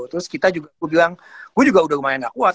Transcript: terus kita juga aku bilang gue juga udah lumayan gak kuat